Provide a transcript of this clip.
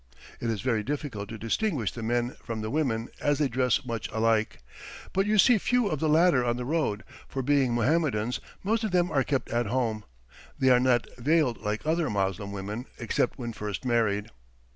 It is very difficult to distinguish the men from the women, as they dress much alike. But you see few of the latter on the road, for being Mohammedans, most of them are kept at home. They are not veiled like other Moslem women, except when first married.